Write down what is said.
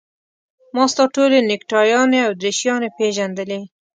ما ستا ټولې نکټایانې او دریشیانې پېژندلې.